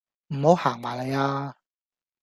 唔好行埋嚟呀